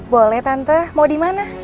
boleh tante mau dimana